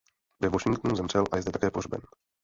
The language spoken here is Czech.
Ve Washingtonu zemřel a je zde také pohřben.